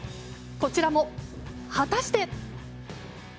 こちらも、果たして。